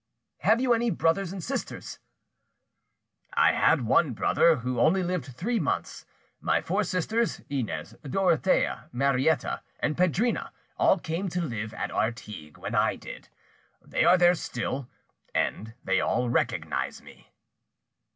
"Have you any brothers and sisters?" "I had one brother, who only lived three months. My four sisters, Inez, Dorothea, Marietta, and Pedrina, all came to live at Artigues when I did; they are there still, and they all recognised me."